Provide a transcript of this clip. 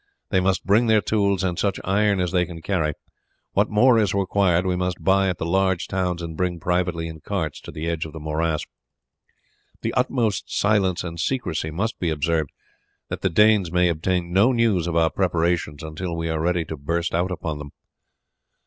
They must bring their tools and such iron as they can carry; what more is required we must buy at the large towns and bring privately in carts to the edge of the morass. The utmost silence and secrecy must be observed, that the Danes may obtain no news of our preparations until we are ready to burst out upon them."